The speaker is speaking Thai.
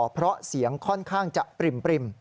เพราะเสียงค่อนข้างจะปริ่ม